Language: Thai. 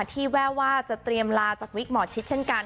แววว่าจะเตรียมลาจากวิกหมอชิดเช่นกัน